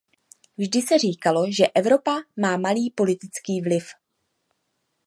Vždy se říkalo, že Evropa má malý politický vliv.